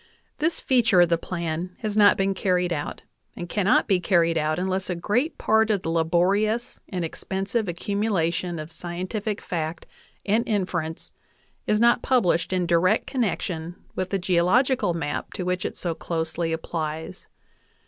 This feature of the plan has not been carried out, and cannot be carried out unless a great part of the laborious and expensive accumula tion of scientific fact and inference is not published in direct connection with the geological map to which it so closely ap plies.